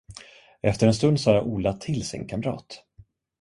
Efter en stund sade Ola till sin kamrat.